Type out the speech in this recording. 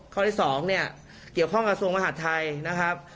ข้อที่๒เนี่ยเกี่ยวข้องกับกระทรวงมหาดไทยนะครับ